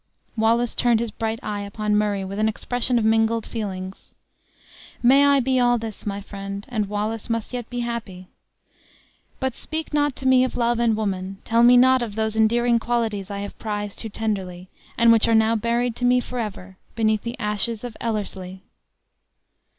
Wallace turned his bright eye upon Murray with an expression of mingled feelings. "May I be all this, my friend, and Wallace must yet be happy! But speak not to me of love and woman; tell me not of those endearing qualities I have prized too tenderly, and which are now buried to me forever beneath the ashes of Ellerslie."